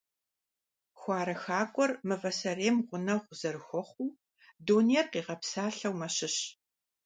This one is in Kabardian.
Хуарэ хакӀуэр мывэ сэрейм гъунэгъу зэрыхуэхъуу дунейр къигъэпсалъэу мэщыщ.